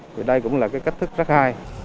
vì đây cũng là cái cách thức rất hay